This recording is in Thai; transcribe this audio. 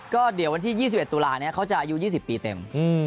ก็เดี๋ยววันที่๒๑ตุลานี้เขาจะอายุ๒๐ปีเต็ม